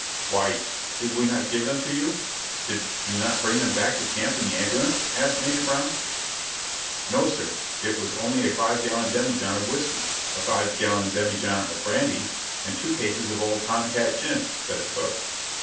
"Why, did we not give them to you did you not bring them to camp in the ambulance?" asked Major Brown. "No, sir; it was only a five gallon demijohn of whiskey, a five gallon demijohn of brandy, and two cases of Old Tom Cat gin," said the cook.